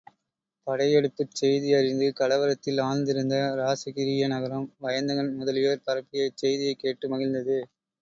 படையெடுப்புச் செய்தி அறிந்து கலவரத்தில் ஆழ்ந்திருந்த இராசகிரிய நகரம், வயந்தகன் முதலியோர் பரப்பிய இச் செய்தியைக் கேட்டு மகிழ்ந்தது.